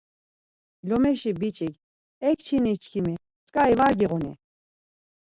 Lomeşi biç̌ik, E kçini çkimi tzǩari var giğuni?